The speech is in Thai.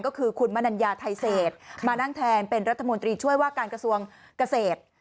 ก็คือคุณมนัญญาไทยเศษมานั่งแทนเป็นรัฐมนตรีช่วยว่าการกระทรวงเกษตร